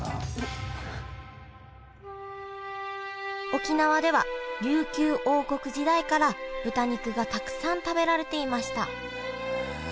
沖縄では琉球王国時代から豚肉がたくさん食べられていました。